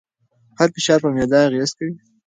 هر فشار پر معده اغېز کوي.